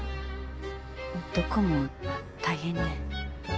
どこも大変ね。